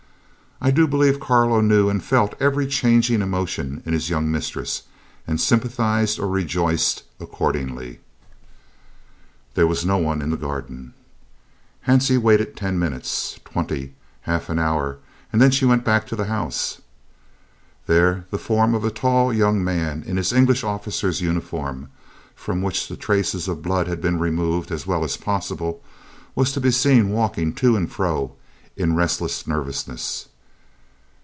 I do believe Carlo knew and felt every changing emotion in his young mistress, and sympathised or rejoiced accordingly. There was no one in the garden. Hansie waited ten minutes, twenty, half an hour, then she went back to the house. There the form of the tall young man in his English officer's uniform, from which the traces of blood had been removed as well as possible, was to be seen walking to and fro in restless nervousness.